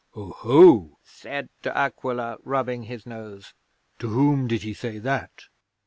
'"Oho!" said De Aquila, rubbing his nose, "to whom did he say that?"